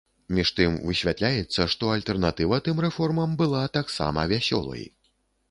Між тым, высвятляецца, што альтэрнатыва тым рэформам была таксама вясёлай.